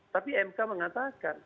tapi mk mengatakan